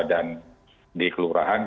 dan di kelurahan